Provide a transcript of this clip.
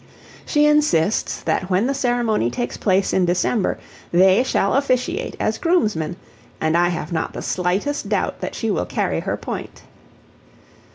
She insists that when the ceremony takes place in December, they shall officiate as groomsmen, and I have not the slightest doubt that she will carry her point.